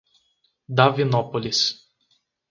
Davinópolis